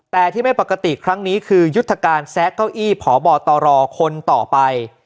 แต่ที่ไม่ปกติครั้งนี้คือยุทธการแซะเก้าอี้พบตรคนต่อไป